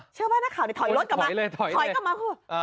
เชื่อปะหน้าข่าวถอยรถกลับมา